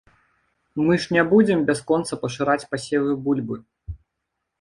Мы ж не будзем бясконца пашыраць пасевы бульбы.